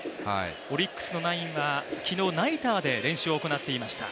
オリックスのナインは昨日ナイターで練習を行っていました。